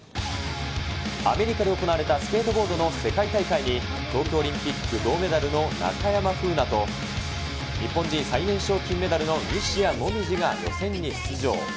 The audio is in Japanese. アメリカで行われたスケートボードの世界大会に東京オリンピック銅メダルの中山楓奈と日本人最年少金メダルの西矢椛が予選に出場。